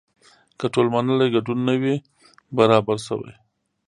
که ټول منلی ګډون نه وي برابر شوی.